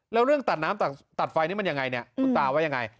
แล้วเรื่องตัดน้ำตัดไฟนี่มันยังไงเนี่ยคุณตาว่ายังไง